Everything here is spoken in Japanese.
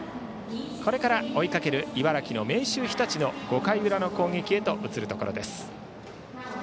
これから、追いかける茨城の明秀日立の５回の裏の攻撃へと移るところです。